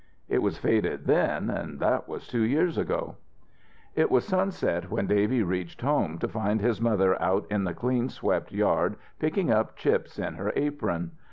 It was faded then, and that was two years ago. It was sunset when Davy reached home to find his mother out in the clean swept yard picking up chips in her apron.